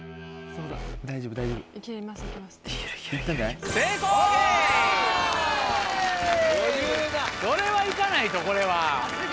それは行かないとこれは。